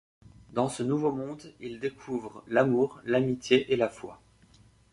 Dans ce nouveau monde, il découvre l'amour, l'amitié et la foi.